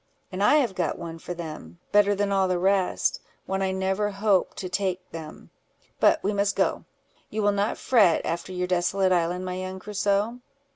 "And I have got one for them, better than all the rest—one I never hoped to take them: but we must go: you will not fret after your desolate island, my young Crusoe?"